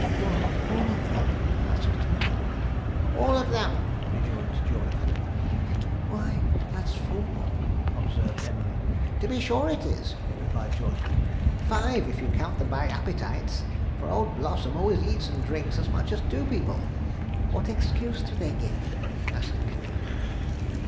'What, all of them?' asked Emily. 'All of them,' rejoined Jawleyford. 'Why, that's four,' observed Emily. 'To be sure it is,' replied Jawleyford; 'five, if you count them by appetites; for old Blossom always eats and drinks as much as two people.' 'What excuse do they give?' asked Amelia.